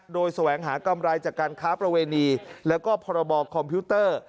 โดยแสวงหากำไรจากการค้าประเวณีแล้วก็พรบคอมพิวเตอร์